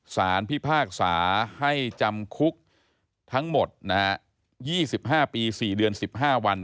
สารพิพากษาให้จำคุกทั้งหมด๒๕ปี๔เดือน๑๕วัน